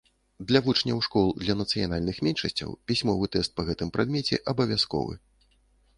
Для вучняў школ для нацыянальных меншасцяў пісьмовы тэст па гэтым прадмеце абавязковы.